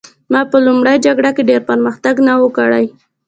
ما په لومړۍ جګړه کې ډېر پرمختګ نه و کړی